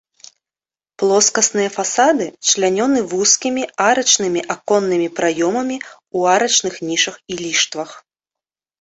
Плоскасныя фасады члянёны вузкімі арачнымі аконнымі праёмамі ў арачных нішах і ліштвах.